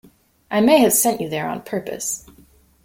I may have sent you there on purpose.